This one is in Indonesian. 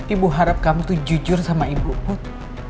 ibu harap kamu tuh jujur sama ibu put